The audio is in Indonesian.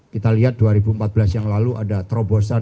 kita lihat dua ribu empat belas yang lalu ada terobosan